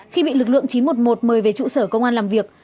khi bị lực lượng chín trăm một mươi một mời về trụ sở công an làm việc